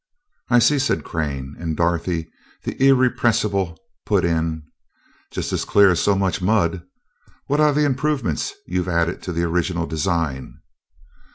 "I see," said Crane, and Dorothy, the irrepressible, put in: "Just as clear as so much mud. What are the improvements you added to the original design?"